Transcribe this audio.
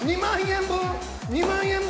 ２万円分。